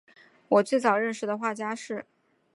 我最早认识的画家是